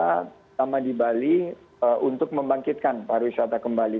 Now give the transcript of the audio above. terutama di bali untuk membangkitkan pariwisata kembali